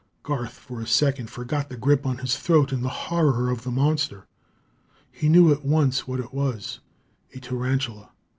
Garth for a second forgot the grip on his throat in the horror of the monster. He knew at once what it was a tarantula.